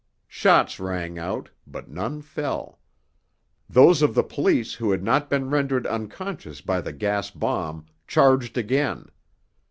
Shots rang out, but none fell. Those of the police who had not been rendered unconscious by the gas bomb charged again.